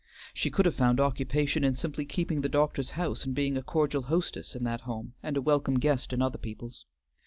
She could have found occupation in simply keeping the doctor's house and being a cordial hostess in that home and a welcome guest in other people's.